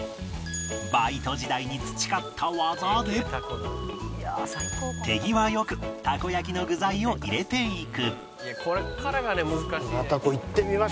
バイト時代に培った技で手際よくたこ焼きの具材を入れていく